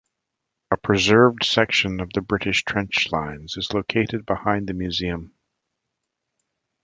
A preserved section of the British trench lines is located behind the museum.